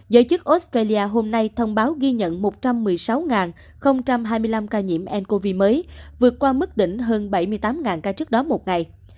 giới chức australia hôm nay thông báo ghi nhận một trăm một mươi sáu hai mươi năm ca nhiễm ncov mới vượt qua mức đỉnh hơn bảy mươi tám ca trước đó một ngày